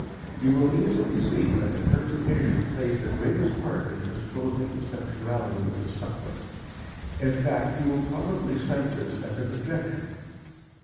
You will easily see that interpretation plays the greatest part in disclosing the sexuality of the suckling; in fact you will probably cite this as an objection.